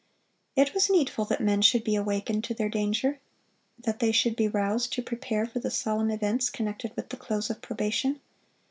(493) It was needful that men should be awakened to their danger; that they should be roused to prepare for the solemn events connected with the close of probation.